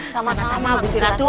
sama sama gusti ratu